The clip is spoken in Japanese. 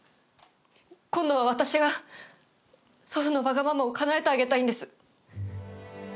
今度は私が祖父のわがままをかなえてあげたいんです。